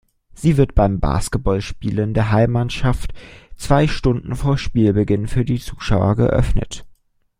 Sie wird bei Basketballspielen der Heimmannschaft zwei Stunden vor Spielbeginn für die Zuschauer geöffnet.